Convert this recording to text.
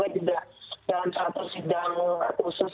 dalam suatu sidang khusus